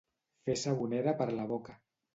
Fer sabonera per la boca.